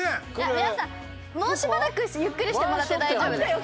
「皆さんもうしばらくゆっくりしてもらって大丈夫です」